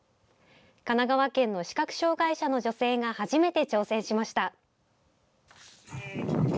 神奈川県の視覚障害者の女性が初めて挑戦しました。